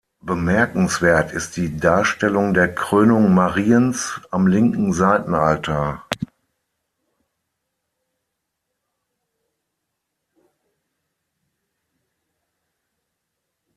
Bemerkenswert ist die Darstellung der Krönung Mariens am linken Seitenaltar.